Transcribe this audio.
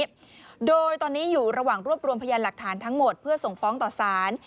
ด้วยโดยตอนนี้อยู่ระหว่างรวบรวมพยานหลักฐานทั้งหมดเพื่อส่งฟ้องต่อสาร